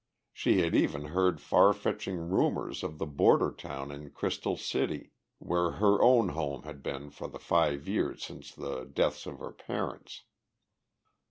She had even heard far reaching rumours of the border town in Crystal City, where her own home had been for the five years since the deaths of her parents.